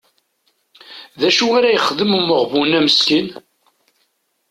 D acu ara yexdem umeɣbun-a meskin?